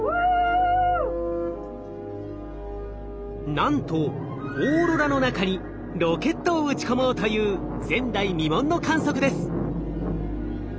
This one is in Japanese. なんとオーロラの中にロケットを打ち込もうという前代未聞の観測です。